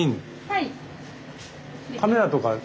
はい。